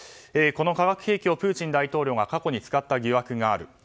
この化学兵器をプーチン大統領が過去に使った疑惑がある。